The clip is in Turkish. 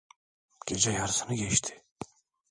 Gece yarısını geçti.